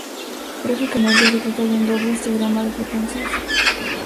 Gráficamente se trata de un doble histograma de frecuencias.